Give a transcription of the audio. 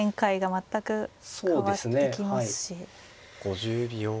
５０秒。